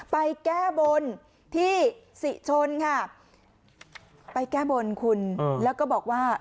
ไปแก้บนที่สิชนค่ะไปแก้บนคุณแล้วก็บอกว่า